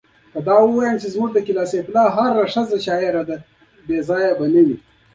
غرونه لوڅ شول، انسانانو ټولې ونې خرڅې کړې.